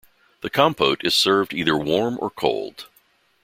The compote is served either warm or cold.